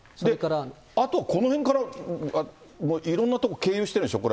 あとこの辺から、いろんな所経由してるんでしょう。